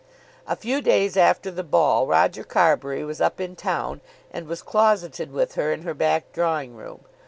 A few days after the ball Roger Carbury was up in town, and was closeted with her in her back drawing room.